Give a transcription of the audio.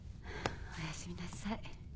おやすみなさい。